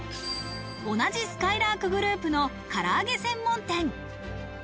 同じ、すかいらーくグループのから揚げ専門店。